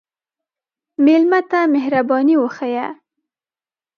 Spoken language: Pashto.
مېلمه ته مهرباني وښیه.